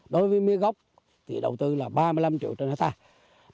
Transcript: đối với mía gốc thì đầu tư là ba mươi năm triệu trên hectare